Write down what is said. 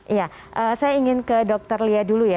iya saya ingin ke dr lia dulu ya